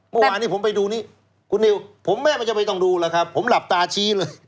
เมื่อวานนี้ผมไปดูนี้คุณนิวผมแม่ไม่จำเป็นต้องดูแล้วครับผมหลับตาชี้เลย